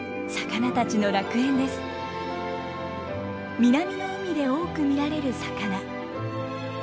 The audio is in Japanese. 南の海で多く見られる魚。